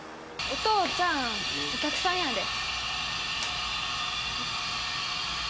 お父ちゃんお客さんやで。